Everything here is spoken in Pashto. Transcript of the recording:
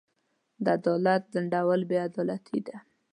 د عدالت ځنډول بې عدالتي ده.